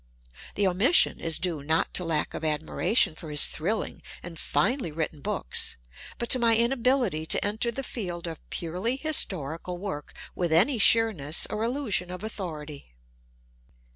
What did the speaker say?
The omission is due not to lack of admiration for his thrilling and finely written books, but to my inability to enter the field of purely historical work with any sure ness or illusion of authority.